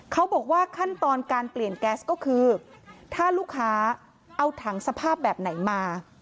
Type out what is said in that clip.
เขาบอกว่าขั้นตอนการเปลี่ยนแก๊สก็คือถ้าลูกค้าเอาถังสภาพแบบไหนมา